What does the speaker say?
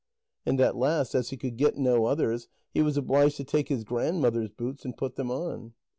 And at last, as he could get no others, he was obliged to take his grandmother's boots and put them on.